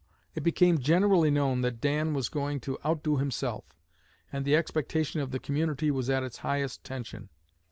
It became generally known that Dan was going to out do himself, and the expectation of the community was at its highest tension.